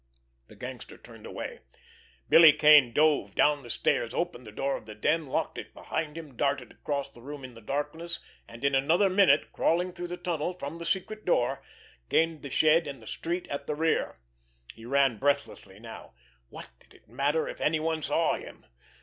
The gangster turned away. Billy Kane dove down the stairs, opened the door of the den, locked it behind him, darted across the room in the darkness, and in another minute, crawling through the tunnel from the secret door, gained the shed and the street at the rear. He ran breathlessly now. What did it matter if any one saw him!